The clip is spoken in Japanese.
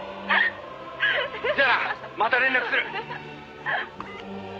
「じゃあなまた連絡する」